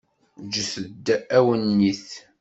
Ǧǧet-d awennit.